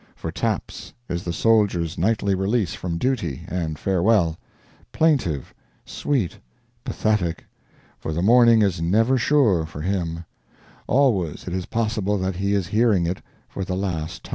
for taps is the soldier's nightly release from duty, and farewell: plaintive, sweet, pathetic, for the morning is never sure, for him; always it is possible that he is hearing it for the last time.